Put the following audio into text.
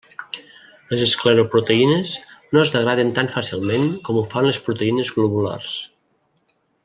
Les escleroproteïnes no es degraden tan fàcilment com ho fan les proteïnes globulars.